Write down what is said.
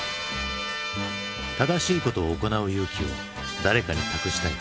正しいことを行う勇気を誰かに託したい。